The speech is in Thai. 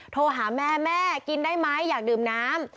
โทรหาแม่แม่กินได้ไหมอยากดื่มน้ำ